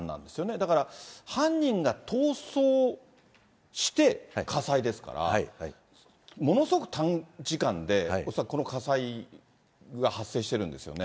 だから犯人が逃走して、火災ですから、ものすごく短時間で、恐らくこの火災が発生してるんですよね。